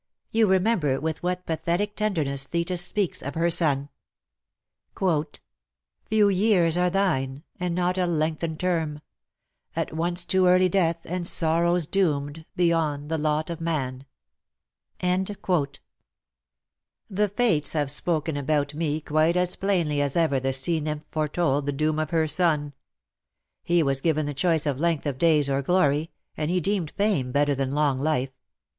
You remember with what pathetic tenderness Thetis speaks of her son, ' Few years are thine, and not a lengthened term ; At once to early death and sorrows doomed Beyond the lot of man !' The Fates have spoken about me quite as plainly as ever the sea nymph foretold the doom of her son. He was given the choice of length of days or glory, and he deemed fame better than long life.